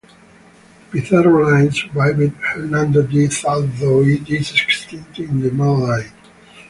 The Pizarro line survived Hernando's death, although it is extinct in the male line.